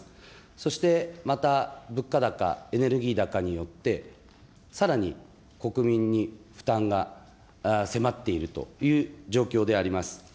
そしてまた、物価高、エネルギー高によって、さらに国民に負担が迫っているという状況であります。